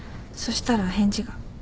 そしたら返事が。